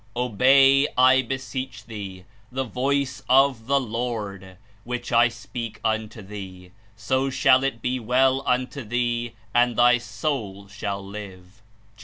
"Obey, I beseech thee, the voice of the Lord, which I speak unto thee; so shall it be well unto thee, and thy soul shall live/' (Jer.